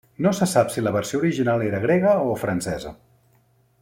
No se sap si la versió original era grega o francesa.